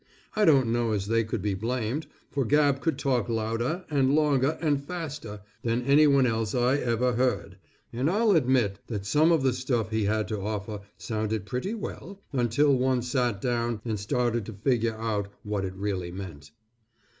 I don't know as they could be blamed for Gabb could talk louder, and longer, and faster, than anyone else I ever heard, and I'll admit that some of the stuff he had to offer sounded pretty well, until one sat down and started to figure out what it really meant.